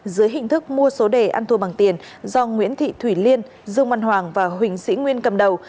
dưới hình thức mua số đề ăn thua bằng tiền do nguyễn thị thủy liên dương văn hoàng và huỳnh sĩ nguyên cầm đầu